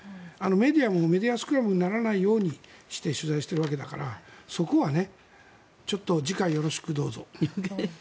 メディアもメディアスクラムにならないようにして取材しているわけだからそこはちょっと次回よろしくどうぞ。